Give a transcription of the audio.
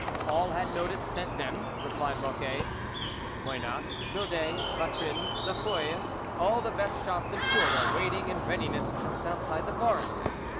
"All had notice sent them," replied Mocquet ;" Moynat, Mildet, Vatrin, Lafeuille, all the best shots in short, are waiting in readiness just outside the forest.